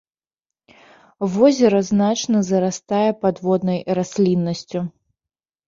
Возера значна зарастае падводнай расліннасцю.